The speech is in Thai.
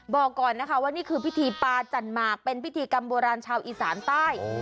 บอกก่อนนะคะว่านี่คือพิธีปาจันหมากเป็นพิธีกรรมโบราณชาวอีสานใต้